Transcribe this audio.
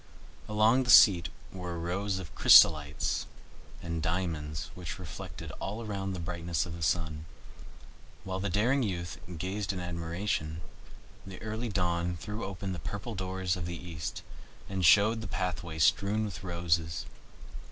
Along the seat were rows of chrysolites and diamonds which reflected all around the brightness of the sun. While the daring youth, gazed in admiration, the early Dawn threw open the purple doors of the east, and showed the pathway strewn with roses.